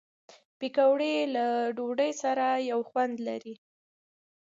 پکورې له ډوډۍ سره یو خوند لري